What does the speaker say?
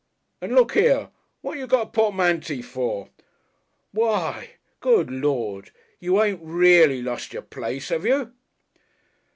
And, look here! What you got a portmanty for? Why! Goo lord! You ain't really lost your place, 'ave you?"